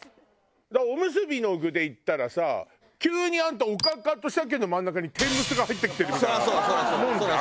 だからおむすびの具で言ったらさ急にあんたおかかとシャケの真ん中に天むすが入ってきてるみたいなもんじゃん？